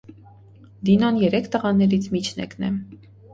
Դինոն երեք տղաներից միջնեկն է։